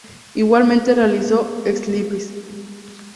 Igualmente realizó "ex libris".